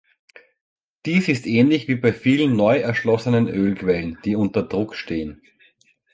Dies ist ähnlich wie bei vielen neu erschlossenen Ölquellen, die unter Druck stehen.